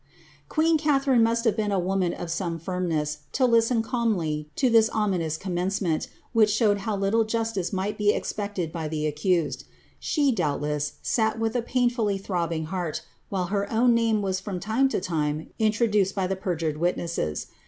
"' Queen Catharine must have been a woman of some firmness, to li^tfli calmly to this ominous commencement, which showed how little justice niiirlit l)e expected by the accused. She, doubtless, sat with a painfully' throI)liing heart, while her own name was from time to time introduced by the perjured witnesses.